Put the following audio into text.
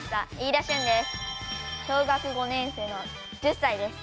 小学５年生の１０歳です。